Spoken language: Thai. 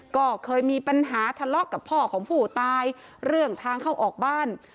ก็เคยมีปัญหาทะเลาะกับพ่อของผู้ตายเรื่องทางเข้าออกบ้าน